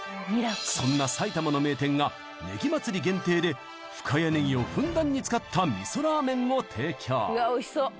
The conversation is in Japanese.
そんな埼玉の名店がねぎまつり限定で深谷ねぎをふんだんに使った味噌ラーメンを提供